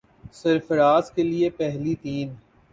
سرفراز کے لیے پہلی تین